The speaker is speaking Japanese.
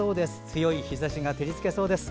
強い日ざしが照りつけそうです。